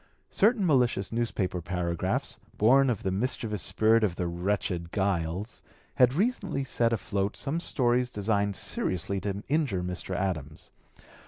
Certain malicious newspaper paragraphs, born of (p. 216) the mischievous spirit of the wretched Giles, had recently set afloat some stories designed seriously to injure Mr. Adams.